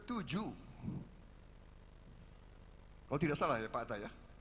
kalau tidak salah ya pak atta ya